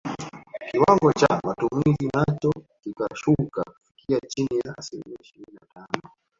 Kiwango cha matumizi nacho kikashuka kufikia chini ya asilimia ishirini na tano